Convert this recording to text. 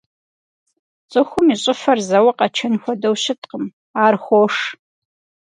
Цӏыхум и щӏыфэр зэуэ къэчэн хуэдэу щыткъым, ар хош.